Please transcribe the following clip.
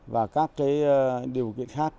và các cái điều kiện khác